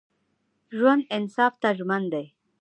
ژوندي انصاف ته ژمن دي